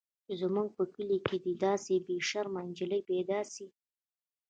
چې زموږ په کلي کښې دې داسې بې شرمه نجلۍ پيدا سي.